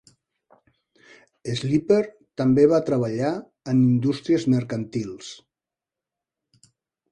Sleeper també va treballar en indústries mercantils.